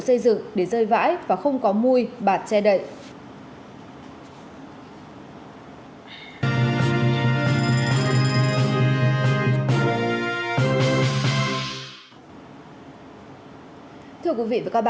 xây dựng để rơi vãi và không có mùi bạt che đậy